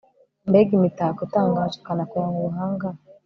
mbega imitako itangaje ikanakoranwa ubuhanga